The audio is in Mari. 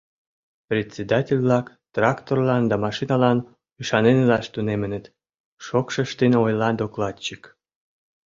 — Председатель-влак тракторлан да машиналан ӱшанен илаш тунемыныт, — шокшештын ойла докладчик.